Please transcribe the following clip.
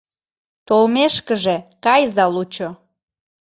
Толмешкыже кайыза лучо...